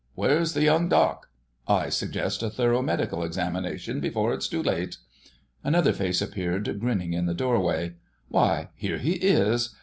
Where's the Young Doc.? I suggest a thorough medical examination before it's too late——" Another face appeared grinning in the doorway. "Why, here he is!